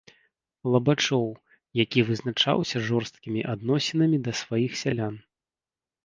Лабачоў, які вызначаўся жорсткімі адносінамі да сваіх сялян.